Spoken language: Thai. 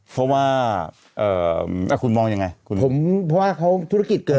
เพราะว่าเอ่อคุณมองยังไงเพราะว่าเขาธุรกิจเกิน